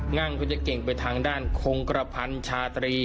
งั่งก็จะเก่งไปทางด้านคงกระพันชาตรี